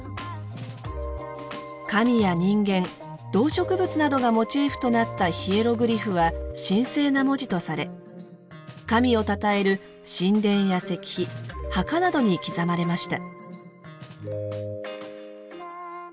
神や人間動植物などがモチーフとなったヒエログリフは神聖な文字とされ神をたたえる神殿や石碑墓などに刻まれました。